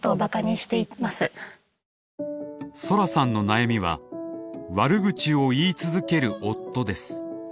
ソラさんの悩みは「悪口を言い続ける夫」です。